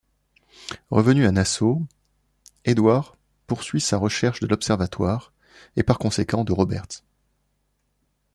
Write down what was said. Revenu à Nassau, Edward poursuit sa recherche de l'Observatoire, et par conséquent de Roberts.